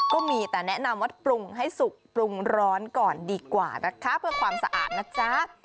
ก็มีแต่แนะนำว่าปรุงให้สุกปรุงร้อนก่อนดีกว่านะคะเพื่อความสะอาดนะจ๊ะ